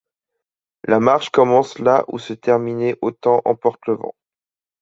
La Marche commence là où se terminait Autant en emporte le vent.